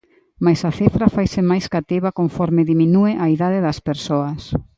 Mais a cifra faise máis cativa conforme diminúe a idade das persoas.